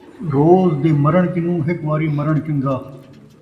روز دے مرݨ کنوں ، ہک واری مرݨ چن٘ڳا